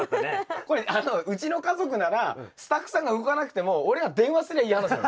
これうちの家族ならスタッフさんが動かなくても俺が電話すりゃいい話だろ。